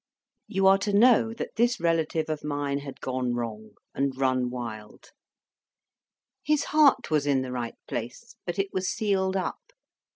You are to know that this relative of mine had gone wrong, and run wild. His heart was in the right place, but it was sealed up.